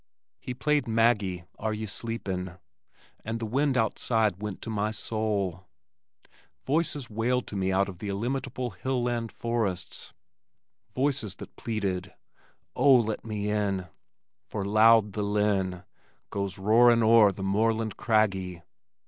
He played, "Maggie, Air Ye Sleepin," and the wind outside went to my soul. Voices wailed to me out of the illimitable hill land forests, voices that pleaded: Oh, let me in, for loud the linn Goes roarin' o'er the moorland craggy.